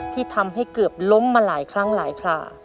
ที่ทำให้เกือบล้มมาหลายครั้งหลายครา